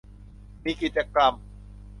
มีกิจกรรม